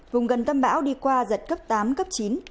vùng gần tâm bão đi qua giật cấp tám cấp chín